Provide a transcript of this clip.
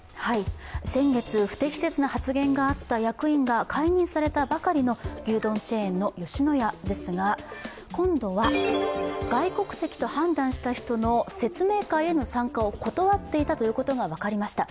先月、不適切な発言があった役員が解任されたばかりの牛丼チェーンの吉野家ですが今度は、外国籍と判断した人の説明会への参加を断っていたことが分かりました。